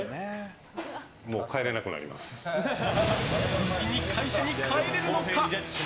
無事に会社に帰れるのか。